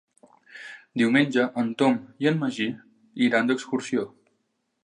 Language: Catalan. Diumenge en Tom i en Magí iran d'excursió.